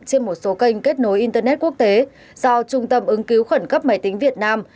trên một số kênh kết nối internet quốc tế do trung tâm ứng cứu khẩn cấp máy tính việt nam